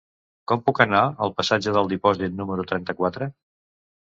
Com puc anar al passatge del Dipòsit número trenta-quatre?